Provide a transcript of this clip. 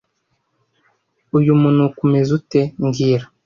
Uyu munuko umeze ute mbwira